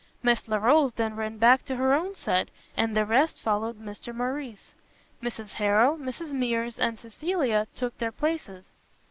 Miss Larolles then ran back to her own set, and the rest followed Mr Morrice; Mrs Harrell, Mrs Mears and Cecilia took their places.